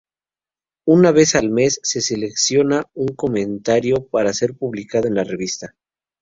Una vez al mes, se selecciona un comentario para ser publicado en la revista.